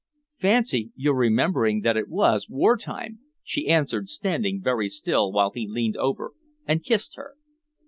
"Fancy your remembering that it was war time!" she answered, standing very still while he leaned over and kissed her.